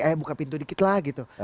eh buka pintu dikit lah gitu